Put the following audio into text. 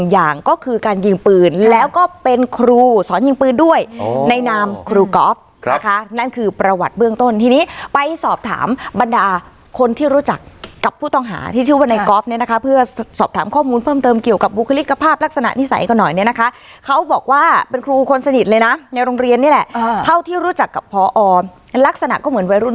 อย่างก็คือการยิงปืนแล้วก็เป็นครูสอนยิงปืนด้วยในนามครูก๊อฟนะคะนั่นคือประวัติเบื้องต้นทีนี้ไปสอบถามบรรดาคนที่รู้จักกับผู้ต้องหาที่ชื่อว่าในก๊อฟเนี่ยนะคะเพื่อสอบถามข้อมูลเพิ่มเติมเกี่ยวกับบุคลิกภาพลักษณะนิสัยกันหน่อยเนี่ยนะคะเขาบอกว่าเป็นครูคนสนิทเลยนะในโรงเรียนนี่แหละเท่าที่รู้จักกับพอลักษณะก็เหมือนวัยรุ่น